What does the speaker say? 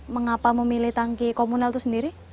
mengapa memilih tangki komunal itu sendiri